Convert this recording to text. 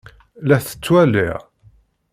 La t-ttwaliɣ.